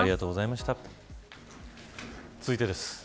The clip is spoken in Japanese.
続いてです。